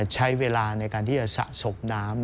ใช้เวลาในการที่จะสะสมน้ำ